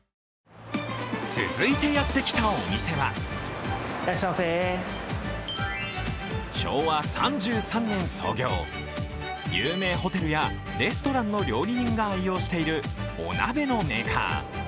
続いてやってきたお店は昭和３３年創業、有名ホテルやレストランの料理人が愛用している、お鍋のメーカー。